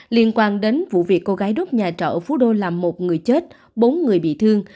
liên quan đến vụ việc cô gái đốt nhà trọ ở phú đô làm một người chết bốn người bị thương